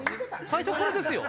最初これですよ。